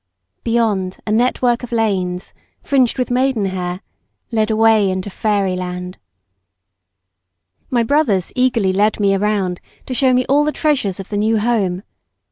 Beyond, a network of lanes, fringed with maiden hair, led away into fairyland. My brothers eagerly led me round to show me all the treasures of the new home.